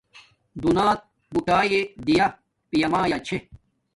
دونیات بوٹاݵݵ دییا پیامایا چھے